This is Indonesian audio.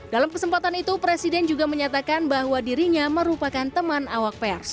dalam kesempatan itu presiden juga menyatakan bahwa dirinya merupakan teman awak pers